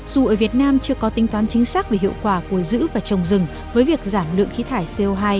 dù ở việt nam chưa có tính toán chính xác về hiệu quả của giữ và trồng rừng với việc giảm lượng khí thải co hai